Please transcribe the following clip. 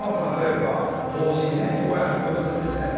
こうやって子育てしたいなと。